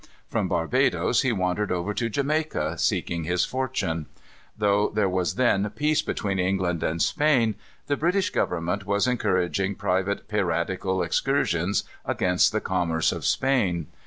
From Barbadoes he wandered over to Jamaica, seeking his fortune. Though there was then peace between England and Spain, the British Government was encouraging private piratical excursions against the commerce of Spain.